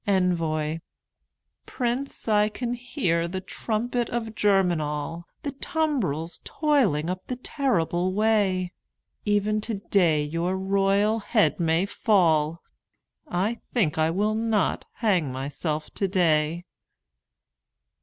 Envoi Prince, I can hear the trumpet of Germinal, The tumbrils toiling up the terrible way; Even today your royal head may fall I think I will not hang myself today.